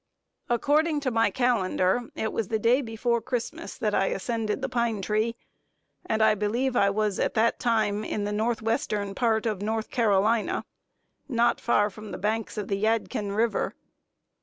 According to my calendar, it was the day before Christmas that I ascended the pine tree; and I believe I was at that time in the north western part of North Carolina, not far from the banks of the Yadkin river.